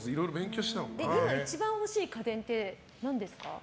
今一番欲しい家電って何ですか？